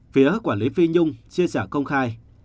phía quản lý phi nhung chia sẻ công khai